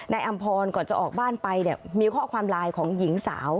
อำพรก่อนจะออกบ้านไปเนี่ยมีข้อความไลน์ของหญิงสาว